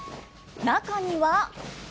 中には。